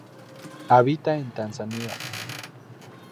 Habita en Tanzania.